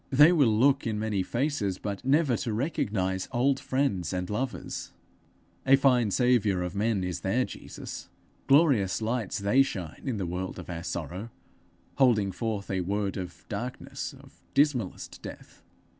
They will look in many faces, but never to recognize old friends and lovers! A fine saviour of men is their Jesus! Glorious lights they shine in the world of our sorrow, holding forth a word of darkness, of dismallest death!